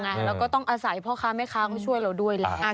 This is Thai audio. แล้วก็ต้องอาศัยพ่อค้าแม่ค้าเขาช่วยเราด้วยแหละ